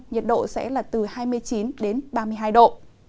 nhiệt độ sẽ là từ hai mươi chín đến ba mươi hai độ